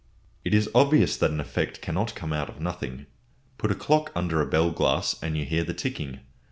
It is obvious that an effect cannot come out of nothing. Put a clock under a bell glass and you hear the ticking.